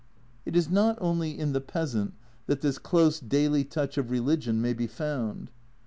It is not only in the peasant that this close daily touch of religion may be found.